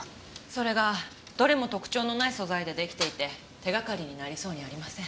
それがどれも特徴のない素材で出来ていて手がかりになりそうにありません。